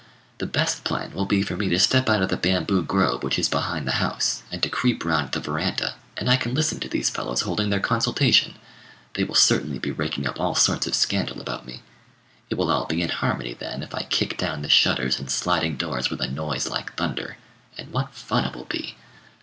The best plan will be for me to step out of the bamboo grove which is behind the house, and to creep round the verandah, and I can listen to these fellows holding their consultation: they will certainly be raking up all sorts of scandal about me. It will be all in harmony, then, if I kick down the shutters and sliding doors with a noise like thunder. And what fun it will be!"